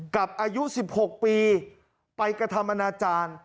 กับอายุ๑๖ปีไปกระทำอนาจารย์